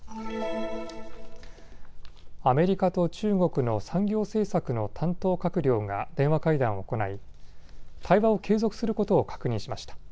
アメリカと中国の産業政策の担当閣僚が電話会談を行い対話を継続することを確認しました。